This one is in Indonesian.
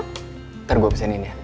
ntar gua pesenin ya